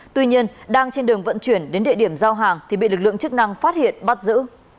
tuy nhiên đang trên đường vận chuyển đến địa điểm giao hàng thì bị lực lượng chức năng phát hiện bắt giữ